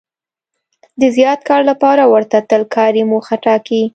د زیات کار لپاره ورته تل کاري موخه ټاکي.